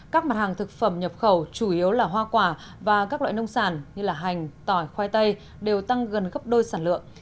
các mặt hàng thực phẩm nhập khẩu chủ yếu là hoa quả và các loại nông sản như hành tỏi khoai tây đều tăng gần gấp đôi sản lượng